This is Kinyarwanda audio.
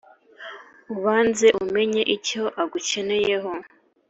ubanze umenye icyo agukeneyeho,